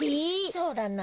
そうだな。